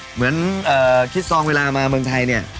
เหมือนคิดซองเวลามาเมืองไทยเนี่ย